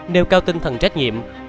nêu cao tinh thần trách nhiệm